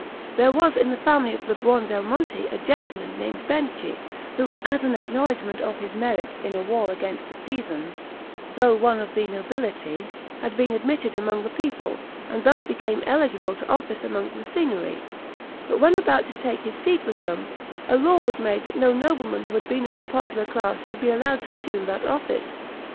There was in the family of the Buondelmonti a gentleman named Benchi, who, as an acknowledgment of his merit in a war against the Pisans, though one of the nobility, had been admitted among the people, and thus became eligible to office among the Signory; but when about to take his seat with them, a law was made that no nobleman who had become of the popular class should be allowed to assume that office.